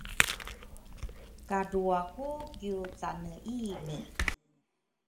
Kadrwa ku kiwcane ini